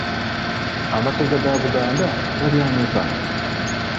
Amasaza ga Buganda gali ameka?